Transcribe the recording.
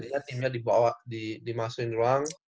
jadi timnya dibawa dimasukin ruang